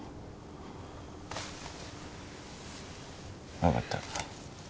わかった。